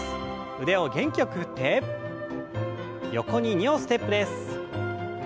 腕を元気よく振って横に２歩ステップです。